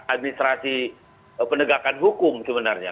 administrasi penegakan hukum sebenarnya